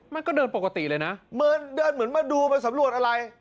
มันก็เดินปกติเลยนะเหมือนเดินเหมือนมาดูมาสำรวจอะไร